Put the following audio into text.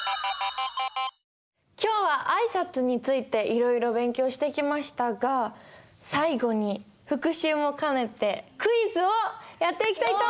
今日は挨拶についていろいろ勉強してきましたが最後に復習も兼ねてクイズをやっていきたいと思います！